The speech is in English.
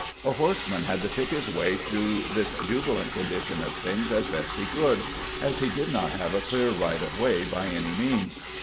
A horseman had to pick his way through this jubilant condition of things as best he could, as he did not have a clear right of way by any means.